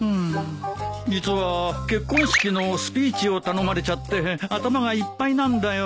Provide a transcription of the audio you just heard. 実は結婚式のスピーチを頼まれちゃって頭がいっぱいなんだよ。